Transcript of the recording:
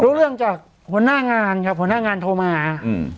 รู้เรื่องจากหัวหน้างานครับหัวหน้างานโทรมาอืม